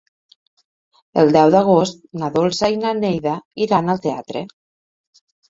El deu d'agost na Dolça i na Neida iran al teatre.